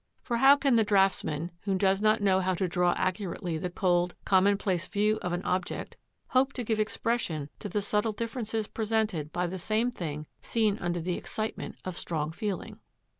For how can the draughtsman, who does not know how to draw accurately the cold, commonplace view of an object, hope to give expression to the subtle differences presented by the same thing seen under the excitement of strong feeling?